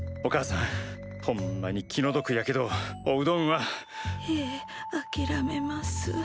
おかあさんほんまに気の毒やけどおうどんは。へえあきらめます。